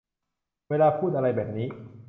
เวลาพูดอะไรแบบนี้